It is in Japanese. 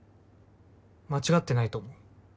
間違ってないと思う。